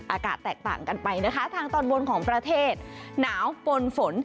อากาศแตกต่างกันไปนะคะทางตอนบนของประเทศหนาวปนฝน